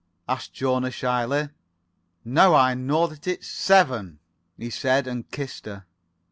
asked Jona, shyly. "Now I know that it's 7," he said, and kissed her.